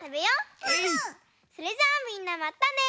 それじゃあみんなまたね！